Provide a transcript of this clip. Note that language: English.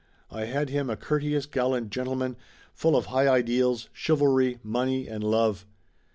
I had him a courteous gallant gentleman, full of high ideals, chivalry, money and love.